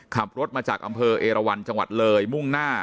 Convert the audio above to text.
ขับรถมาจากอำเภอเอราวันจังหวัดเลยมุ่งหน้า